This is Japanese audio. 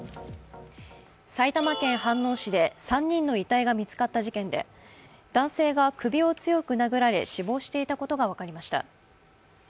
埼玉県飯能市で３人の遺体が見つかった事件で男性が首を強く殴られ死亡していたことが分かりました。